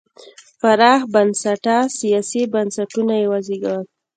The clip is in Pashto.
پراخ بنسټه سیاسي بنسټونه یې وزېږول.